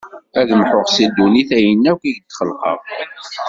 Ad mḥuɣ si ddunit ayen akk i d-xelqeɣ.